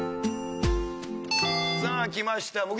さあ来ました